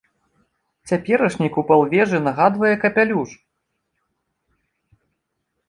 Цяперашні купал вежы нагадвае капялюш!